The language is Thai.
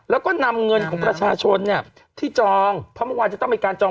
แล้วก็นำเงินของประชาชนเนี่ยที่จองเพราะเมื่อวานจะต้องมีการจอง